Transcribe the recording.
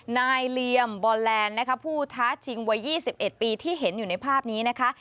เหลี่ยมบอลแลนด์นะคะผู้ท้าชิงวัย๒๑ปีที่เห็นอยู่ในภาพนี้นะคะ